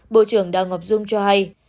bộ trưởng đào ngọc dung cho hay